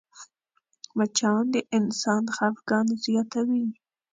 مچان د انسان خفګان زیاتوي